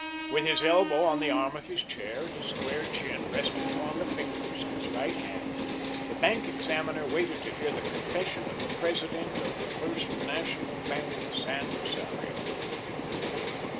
With his elbow on the arm of his chair, and his square chin resting upon the fingers of his right hand, the bank examiner waited to hear the confession of the president of the First National Bank of San Rosario.